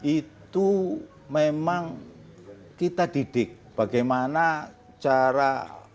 itu memang kita didik bagaimana cara